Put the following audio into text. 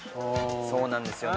「そうなんですよね。